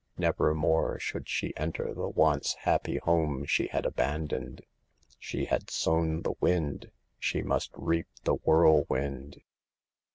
Never more should she enter the once happy home she had aban doned. She had sown the wind, she must reap the whirlwind.